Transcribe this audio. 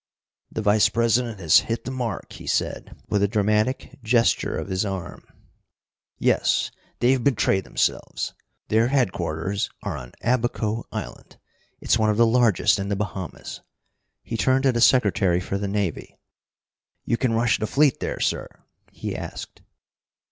"The Vice president has hit the mark," he said, with a dramatic gesture of his arm. "Yes, they've betrayed themselves. Their headquarters are on Abaco Island. It's one of the largest in the Bahamas." He turned to the Secretary for the Navy. "You can rush the fleet there, sir?" he asked.